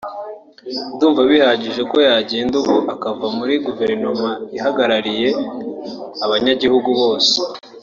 ndumva bihagije ko yagenda ubu akava muri guverinoma ihagarariye abanyagihugu bose